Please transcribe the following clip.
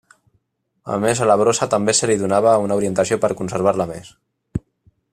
A més a la brossa també se li donava una orientació per conservar-la més.